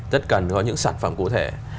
rất cần có những sản phẩm cụ thể